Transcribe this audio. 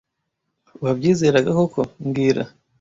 Wabyizeraga koko mbwira